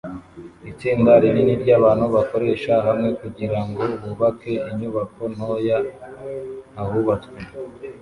itsinda rinini ryabantu bakorera hamwe kugirango bubake inyubako ntoya ahubatswe